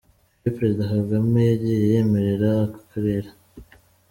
Ibyo Perezida Kagame yagiye yemererera aka karere.